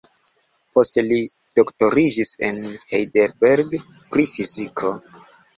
Poste li doktoriĝis en Heidelberg pri fiziko.